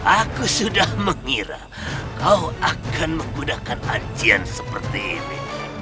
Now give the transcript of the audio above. aku sudah mengira kau akan menggunakan ancian seperti ini